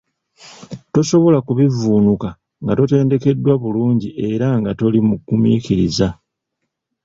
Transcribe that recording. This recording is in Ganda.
Tosobola kubivvuunuka nga totendekeddwa bulungi era nga toli mugumiikiriza!